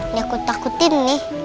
ini aku takutin nih